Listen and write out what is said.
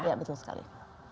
iya betul sekali